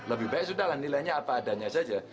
lebih baik sudah lah nilainya apa adanya saja